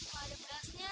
aku gak ada berasnya